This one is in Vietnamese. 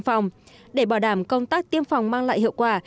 phòng để bảo đảm công tác tiêm phòng mang lại hiệu quả